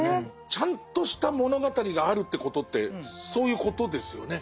ちゃんとした物語があるってことってそういうことですよね。